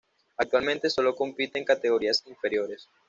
Actualmente solo compite en categorías inferiores.